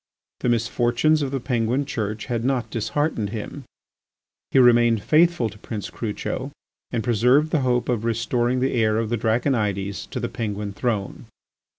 The misfortunes of the Penguin Church had not disheartened him. He remained faithful to Prince Crucho and preserved the hope of restoring the heir of the Draconides to the Penguin throne.